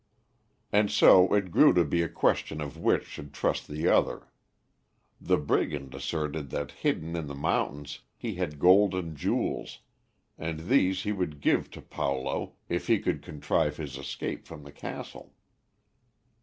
And so it grew to be a question of which should trust the other. The brigand asserted that hidden in the mountains he had gold and jewels, and these he would give to Paulo if he could contrive his escape from the castle.